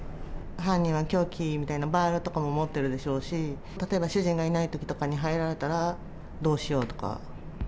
犯人は凶器みたいな、バールとかも持ってるでしょうし、例えば主人がいないときとかに入られたら、どうしようとか。